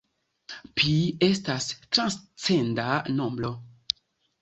Pi estas transcenda nombro.